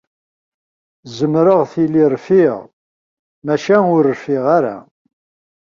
Zemreɣ tili rfiɣ, maca ur rfiɣ ara.